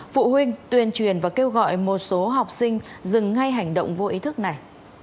phụ huynh tuyên truyền và kêu gọi một số học sinh dừng ngay hành động vô ý thức này